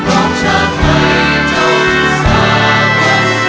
พร้อมชาติให้จงสวรรค์ปี